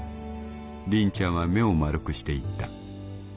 りんちゃんは目を丸くして言った。